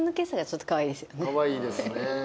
かわいいですね。